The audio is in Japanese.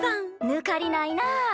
ぬかりないなあ。